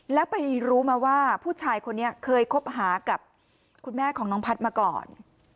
แล้วไปรู้มาว่าผู้ชายคนนี้เคยคบหากับคุณแม่ของน้องพัฒน์มาก่อน